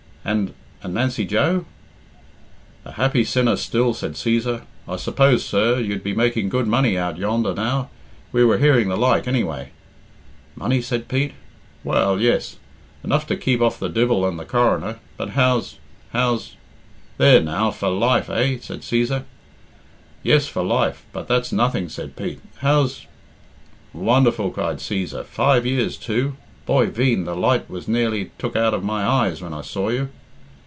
And and Nancy Joe?" "A happy sinner still," said Cæsar. "I suppose, sir, you'd be making good money out yonder now? We were hearing the like, anyway." "Money!" said Pete. "Well, yes. Enough to keep off the divil and the coroner. But how's how's " "There now! For life, eh?" said Cæsar. "Yes, for life; but that's nothing," said Pete; "how's " "Wonderful!" cried Cæsar; "five years too! Boy veen, the light was nearly took out of my eyes when I saw you."